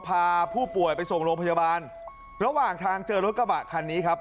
พาผู้ป่วยไปส่งโรงพยาบาลระหว่างทางเจอรถกระบะคันนี้ครับ